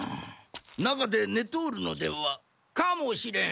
中でねておるのでは？かもしれん。